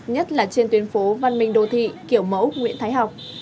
nhất là trên tuyến phố văn minh đô thị kiểu mẫu nguyễn thái học